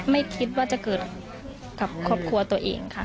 ไม่คิดว่าจะเกิดกับครอบครัวตัวเองค่ะ